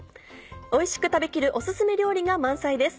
おいしく食べきるお薦め料理が満載です。